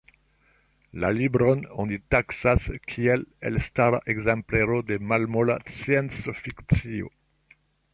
La libron oni taksas kiel elstara ekzemplero de malmola sciencfikcio.